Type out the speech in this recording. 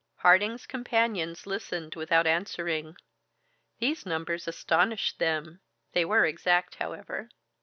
Harding's companions listened without answering. These numbers astonished them. They were exact, however.